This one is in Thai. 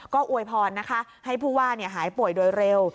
ก็อวยพรนะคะให้ผู้ว่าหายป่วยโดยเร็ว